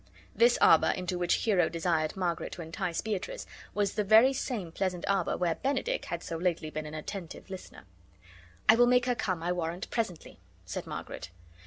This arbor into which Hero desired Margaret to entice Beatrice was the very same pleasant arbor where Benedick had so lately been an attentive listener. "I will make her come, I warrant, presently," said Margaret.